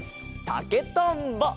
たけとんぼ！